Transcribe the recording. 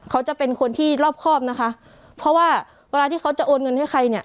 เขาจะเป็นคนที่รอบครอบนะคะเพราะว่าเวลาที่เขาจะโอนเงินให้ใครเนี่ย